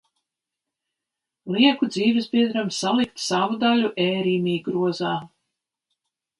Lieku dzīvesbiedram salikt savu daļu e-rimi grozā.